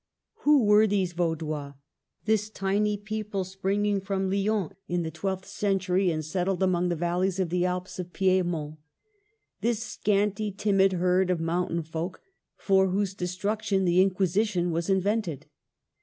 Who were these Vaudois, — this tiny people, springing from Lyons in the twelfth century, and settled among the valleys of the Alps of Piedmont, — this scanty, timid herd of moun tain folk, for whose destruction the Inquisition was invented?